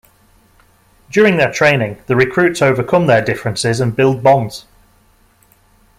During their training, the recruits overcome their differences and build bonds.